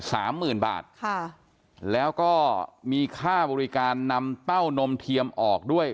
สามหมื่นบาทค่ะแล้วก็มีค่าบริการนำเต้านมเทียมออกด้วย